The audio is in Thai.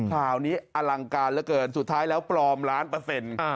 ข่าวนี้อลังการเหลือเกินสุดท้ายแล้วปลอมล้านเปอร์เซ็นต์